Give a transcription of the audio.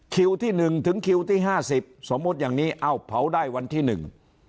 ที่หนึ่งถึงคิวที่ห้าสิบสมมุติอย่างนี้เอ้าเผาได้วันที่หนึ่ง